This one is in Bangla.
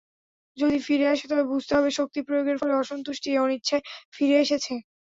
যদি ফিরে আসে তবে বুঝতে হবে শক্তি প্রয়োগের ফলে অসন্তুষ্টি ও অনিচ্ছায় ফিরে এসেছে।